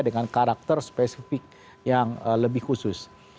dengan karakter spesifik yang lebih khusus